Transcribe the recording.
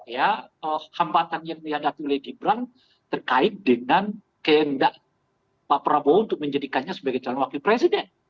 nah ini juga hambatan yang dilihat dari gibran terkait dengan keendah pak prabowo untuk menjadikannya sebagai calon wakil presiden